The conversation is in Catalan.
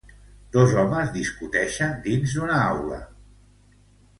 Dos homes discuteixen dins d'una aula.